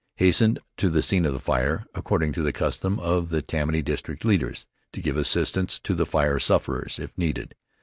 Hastened to the scene of the fire, according to the custom of the Tammany district leaders, to give assistance to the fire sufferers, if needed.